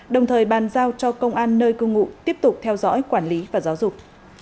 đồng thời bàn giao cho công an nơi cư ngụ tiếp tục theo dõi quản lý và giáo dục